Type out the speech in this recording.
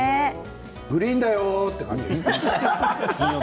「グリーンだよ！」という感じです。